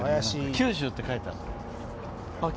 「九州」って書いてある。